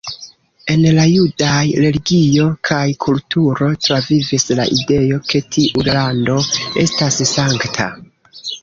En la judaj religio kaj kulturo travivis la ideo ke tiu lando estas sankta.